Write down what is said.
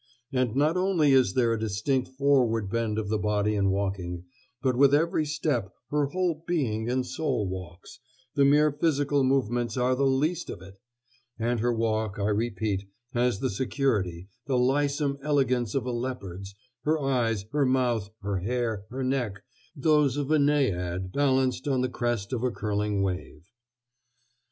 And not only is there a distinct forward bend of the body in walking, but with every step her whole being and soul walks the mere physical movements are the least of it! And her walk, I repeat, has the security, the lissome elegance of a leopard's her eyes, her mouth, her hair, her neck, those of a Naiad balanced on the crest of a curling wave....